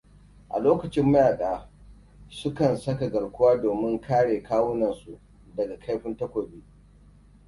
A lokacin mayaka, su kan saka garkuwa domin kare kawunan su daga kaifin takobi.